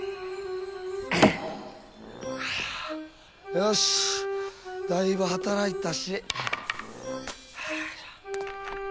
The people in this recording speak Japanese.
よしだいぶ働いたし。